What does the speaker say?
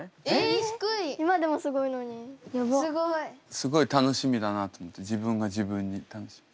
すごい楽しみだなと思って自分が自分に楽しみ。